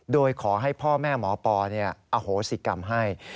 โดยขอให้พ่อแม่หมอปอโหสิกรรมให้